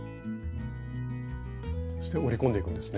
そして折り込んでいくんですね